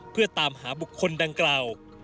เพื่อตามหาบุคคลดังกล่าว